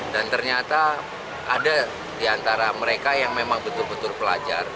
dan ternyata ada diantara mereka yang memang betul betul pelajar